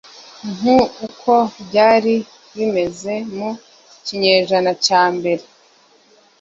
nk uko byari bimeze mu kinyejana cya mbere